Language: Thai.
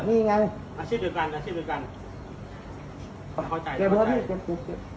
เอาชีวิตเดียวกัน